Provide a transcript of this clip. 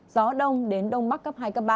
gió đông đến đông bắc cấp hai cấp ba